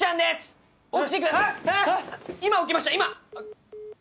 今起きました今。